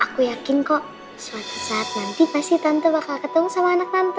aku yakin kok suatu saat nanti pasti tante bakal ketemu sama anak tante